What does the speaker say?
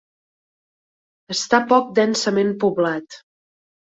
Està poc densament poblat.